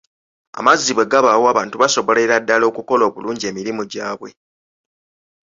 Amazzi bwe gabaawo abantu basobolera ddala okukola obulungi emirimu gyabwe.